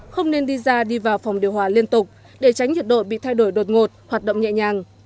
không nên đi ra đi vào phòng điều hòa liên tục để tránh nhiệt độ bị thay đổi đột ngột hoạt động nhẹ nhàng